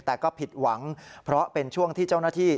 แต่ก็ผิดหวังเพราะเป็นช่วงที่เจ้าหน้าที่